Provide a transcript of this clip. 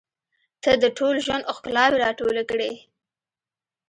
• ته د ټول ژوند ښکلاوې راټولې کړې.